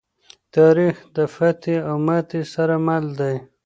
تاریخ د فتحې او ماتې سره مل دی.